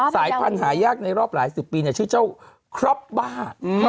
สายพันธุ์หายากในรอบหลายสิบปีชื่อเจ้าครอบบ้า